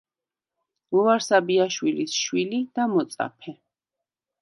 ლუარსაბ იაშვილის შვილი და მოწაფე.